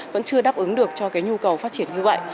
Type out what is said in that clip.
vẫn chưa đáp ứng được cho cái nhu cầu phát triển như vậy